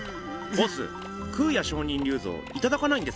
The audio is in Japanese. ボス空也上人立像いただかないんですか？